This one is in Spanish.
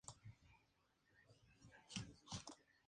Ha sido encontrado frente a las costas de Suecia, Escocia e Islandia.